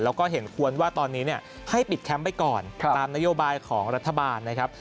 แล้วก็เห็นควรว่าตอนนี้ให้ปิดแคมป์ไปก่อนตามนโยบายของรัฐบาลนะครับ